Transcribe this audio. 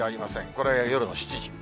これ夜の７時。